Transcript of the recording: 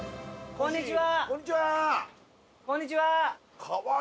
こんにちは！